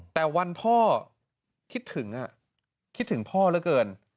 แต่วันพ่อคิดถึงคิดถึงพ่อเหลือเกิน